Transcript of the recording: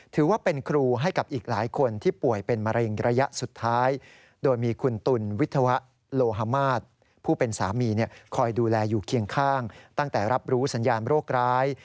ตั้งแต่รับรู้สัญญาณโรคร้าย